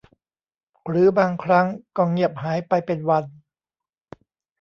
หรือบางครั้งก็เงียบหายไปเป็นวัน